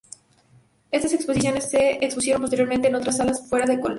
Estas exposiciones se expusieron posteriormente en otras salas fuera de Barcelona.